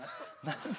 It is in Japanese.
何？